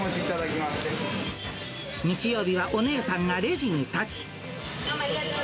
日曜日はお姉さんがレジに立ち。